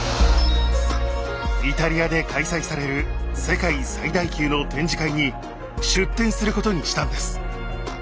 イタリアで開催される世界最大級の展示会に出展することにしたんです。